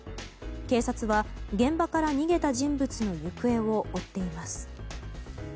警察は現場から逃げた人物の行方を追っています。